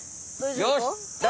よし！